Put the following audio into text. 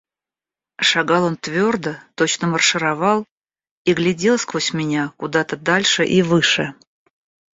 Шагал он твердо, точно маршировал, и глядел сквозь меня куда-то дальше и выше.